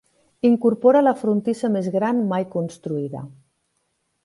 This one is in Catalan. Incorpora la frontissa més gran mai construïda.